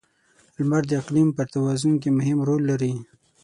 • لمر د اقلیم پر توازن کې مهم رول لري.